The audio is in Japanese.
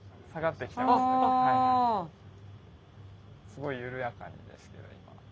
すごい緩やかにですけど今。